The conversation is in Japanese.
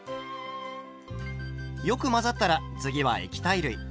よく混ざったら次は液体類。